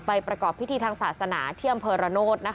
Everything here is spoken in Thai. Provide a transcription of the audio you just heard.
ประกอบพิธีทางศาสนาที่อำเภอระโนธ